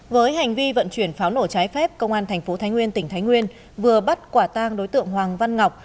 với hành vi vận chuyển pháo nổ trái phép công an thành phố thái nguyên tỉnh thái nguyên vừa bắt quả tang đối tượng hoàng văn ngọc